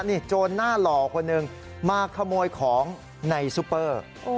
นี่โจรหน้าหล่อคนหนึ่งมาขโมยของในซุปเปอร์